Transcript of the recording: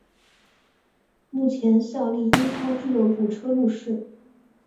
目前效力英超俱乐部车路士。